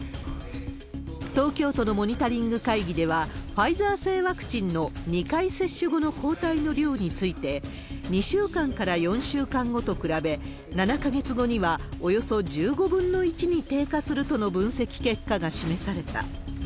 東京都のモニタリング会議では、ファイザー製ワクチンの２回接種後の抗体の量について、２週間から４週間後と比べ、７か月後にはおよそ１５分の１に低下するとの分析結果が示された。